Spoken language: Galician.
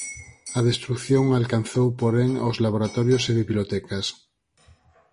A destrución alcanzou porén aos laboratorios e bibliotecas.